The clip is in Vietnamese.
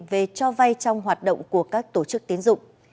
về cho vay trong hoạt động của các tổ chức tiến dụng